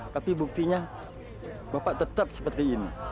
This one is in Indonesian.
tapi buktinya bapak tetap seperti ini